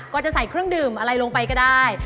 ก็จะใส่เครื่องดื่มอะไรลงไปก็ได้